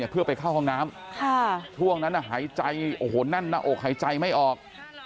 เพื่อไปเข้าห้องน้ำช่วงนั้นหายใจโอ้โหแน่นหน้าอกหายใจไม่ออก